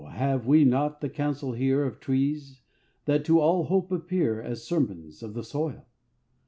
have we not the council here Of trees, that to all hope appear As sermons of the soil?